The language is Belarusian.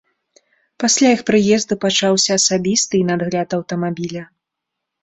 Пасля іх прыезду пачаўся асабісты і надгляд аўтамабіля.